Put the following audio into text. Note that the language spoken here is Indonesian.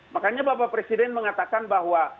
makanya bapak presiden mengatakan bahwa